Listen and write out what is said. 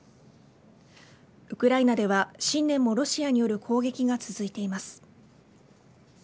ウクライナは新年もロシアによる攻撃が続いています。